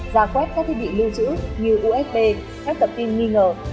già quét các thiết bị lưu trữ như usb các tập tin nghi ngờ